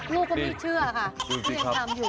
ลูกก็ไม่เชื่อค่ะที่ยังทำอยู่